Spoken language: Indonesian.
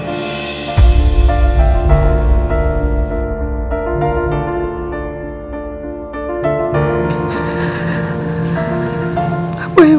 dia itu itu